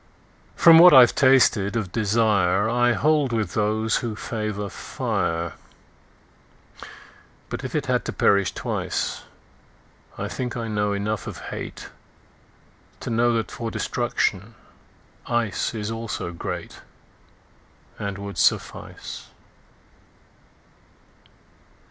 From what I've tasted of desireI hold with those who favor fire. But if it had to perish twice,I think I know enough of hateTo know that for destruction iceIs also greatAnd would suffice.